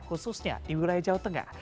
khususnya di wilayah jawa tengah